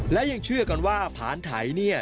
และยังเชื่อกันว่าผานไถเนี่ย